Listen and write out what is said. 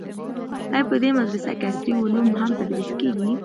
آیا په دې مدرسه کې عصري علوم هم تدریس کیږي؟